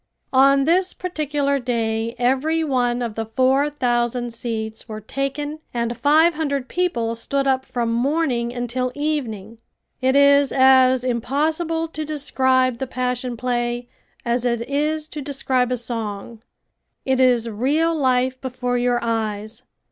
On this particular day every one of the four thousand seats were taken and five hundred people stood up from morning until evening. It is as impossible to describe the Passion Play as it is to describe a song. It is real life before your eyes.